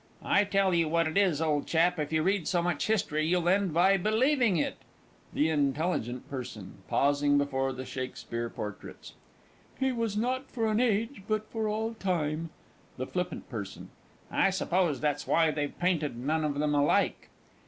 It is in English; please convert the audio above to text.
I tell you what it is, old chap, if you read so much history, you'll end by believing it! THE INT. P. (pausing before the Shakspeare portraits). "He was not for an age, but for all time." THE FL. P. I suppose that's why they've painted none of them alike.